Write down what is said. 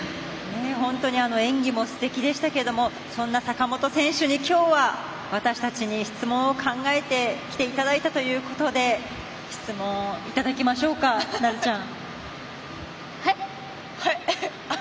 本当に演技もすてきでしたけれどもそんな坂本選手にきょうは私たちに質問を考えてきていただいたということで質問いただきましょうかなるちゃん。